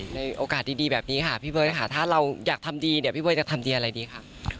ในโอกาสดีแบบนี้ค่ะพี่เบ้ยถ้าเราอยากทำดีพี่เบ้ยจะทำดีอะไรดีค่ะ